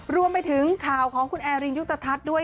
รวมไปถึงข่าวของคุณแอรินยุตทัศน์ด้วย